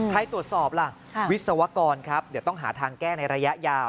ตรวจสอบล่ะวิศวกรครับเดี๋ยวต้องหาทางแก้ในระยะยาว